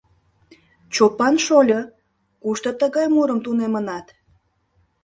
— Чопан шольо, кушто тыгай мурым тунемынат?